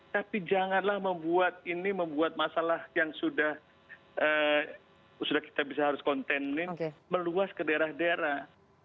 tapi janganlah membuat ini membuat masalah yang sudah kita harus kontenin meluas ke daerah daerah